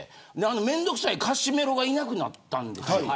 面倒くさいカシメロがいなくなったんです。